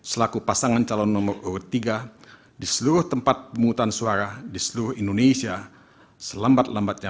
selaku pasangan calon peserta pemilihan umum presiden dan wakil presiden tahun dua ribu dua puluh empat